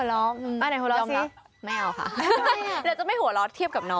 เราได้หัวเราเอาไหนหัวเรากัน